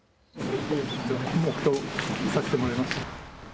黙とうさせてもらいます。